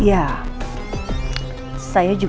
pajakak itu bisa meninggal kena serangan jantung